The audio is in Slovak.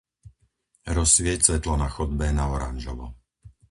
Rozsvieť svetlo na chodbe na oranžovo.